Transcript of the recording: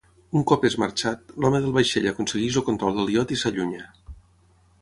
Un cop és marxat, l'home del vaixell aconsegueix el control del iot i s'allunya.